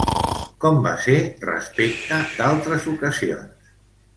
Com va ser respecte d'altres ocasions?